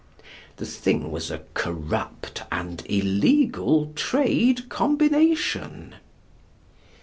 The thing was a corrupt and illegal trade combination.